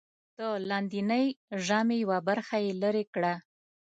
د لاندېنۍ ژامې یوه برخه یې لرې کړه.